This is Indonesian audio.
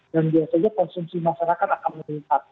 dan biasanya konsumsi masyarakat akan meningkat